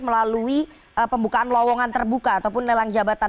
melalui pembukaan lewangan terbuka ataupun nelang jabatan